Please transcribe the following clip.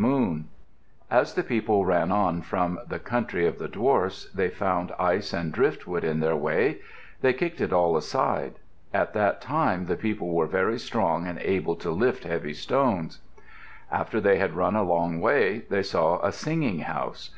Dobbs_] [Illustration: A Shaman Copyrighted by Case and Draper] As the people ran on from the country of the dwarfs, they found ice and driftwood in their way. They kicked it all aside. At that time the people were very strong and able to lift heavy stones. After they had run a long way, they saw a singing house.